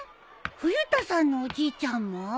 冬田さんのおじいちゃんも？